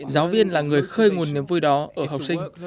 giáo viên là người khơi nguồn niềm vui đó ở học sinh